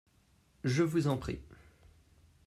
Je vous en prie !